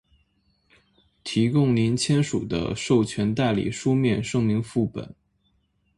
提供您签署的授权代理书面声明副本；